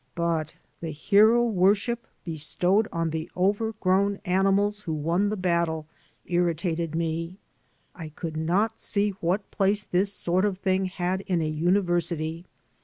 But the hero worship bestowed on the overgrown animals who won the battle irritated me. I could not see what place this sort of thing had in a university.